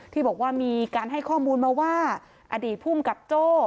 ที่บอกว่ามีการให้ข้อมูลมาว่าอดีตภูมิกับโจ้